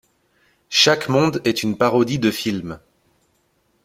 Chaque monde est une parodie de film.